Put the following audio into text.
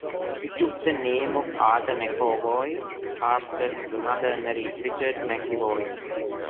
He took the name Arthur McEvoy after his mother married Richard McEvoy.